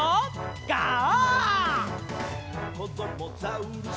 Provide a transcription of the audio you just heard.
「こどもザウルス